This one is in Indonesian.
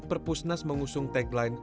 perpusnas mengusung tagline